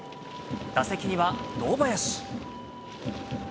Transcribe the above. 打席には堂林。